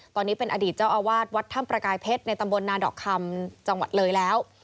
ตอนนี้เป็นอดีตเจ้าอาวาสวัดถ้ำประกายเพชรในตำบลนาดอกคำจังหวัดเลยแล้ว